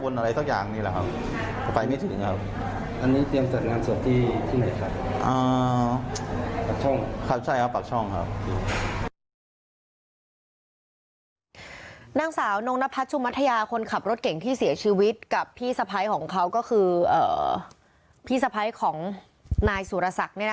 นางสาวนงนพัชชุมัธยาคนขับรถเก่งที่เสียชีวิตกับพี่สะพ้ายของเขาก็คือพี่สะพ้ายของนายสุรศักดิ์